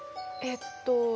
えっと